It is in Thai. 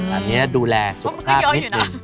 อันนี้ดูแลสุขภาพนิดนึง